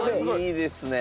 いいですね。